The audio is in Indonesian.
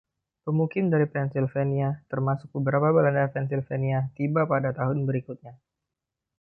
Pemukim dari Pennsylvania, termasuk beberapa Belanda Pennsylvania, tiba pada tahun berikutnya.